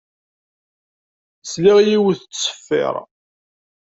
Sliɣ i yiwet tettṣeffiṛ.